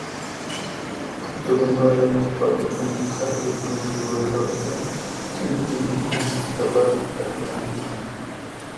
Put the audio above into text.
ئاپتونوم رايونلۇق پارتكوم، خەلق ھۆكۈمىتىگە ۋاكالىتەن تيەنجىن ئۇنىۋېرسىتېتىغا رەھمەت ئېيتىمەن.